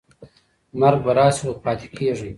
مرګ به راشي خو پاتې کېږم.